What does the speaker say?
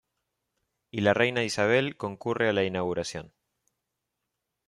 Y la reina Isabel concurre a la inauguración.